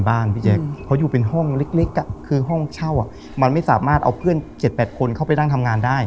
อาจารย์บอกว่า